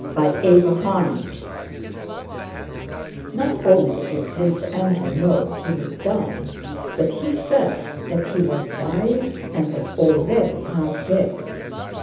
CHAPTER XVI Not only did Prince Andrew know he would die, but he felt that he was dying and was already half dead.